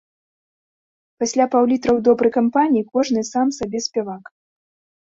Пасля паўлітра ў добрай кампаніі кожны сам сабе спявак.